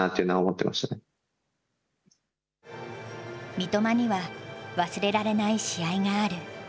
三笘には、忘れられない試合がある。